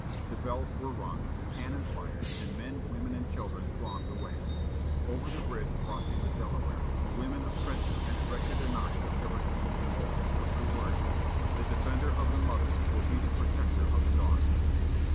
The bells were rung, cannon fired, and men, women, and children thronged the way. Over the bridge crossing the Delaware the women of Trenton had erected an arch of evergreen and laurel, with the words, "The defender of the mothers will be the protector of the daughters."